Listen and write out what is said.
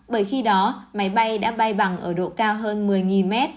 bởi khi đó máy bay đã bay bằng ở độ cao hơn một mươi mét